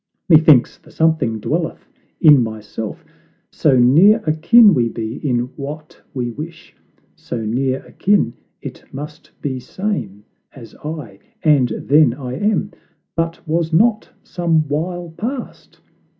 Methinks the Something dwelleth in myself, So near akin we be in what we wish So near akin it must be same as I. And then I am; but was not some while past?